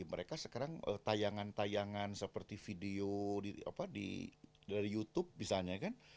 mereka sekarang tayangan tayangan seperti video dari youtube